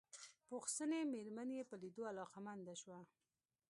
پوخ سنې مېرمن يې په ليدو علاقه منده شوه.